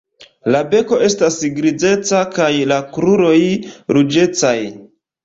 La beko estas grizeca kaj la kruroj ruĝecaj.